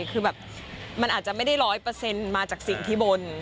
คือแบบมันอาจจะไม่ได้๑๐๐มาจากสิ่งที่บน